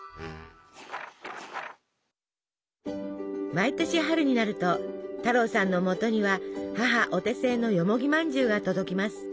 毎年春になると太郎さんのもとには母お手製のよもぎまんじゅうが届きます。